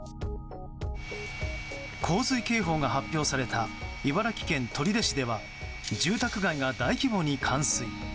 洪水警報が発表された茨城県取手市では住宅街が大規模に冠水。